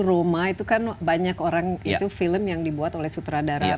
roma itu kan banyak orang itu film yang dibuat oleh sutradara